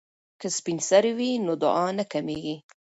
که سپین سرې وي نو دعا نه کمیږي.